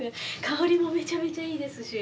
香りもめちゃめちゃいいですし。